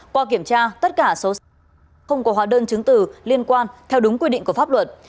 qua kiểm tra tất cả số xăng không có hóa đơn chứng tử liên quan theo đúng quy định của pháp luật